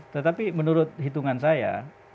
tetapi menurut hitungan saya